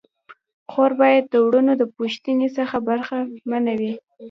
خور باید د وروڼو د پوښتني څخه برخه منه وي.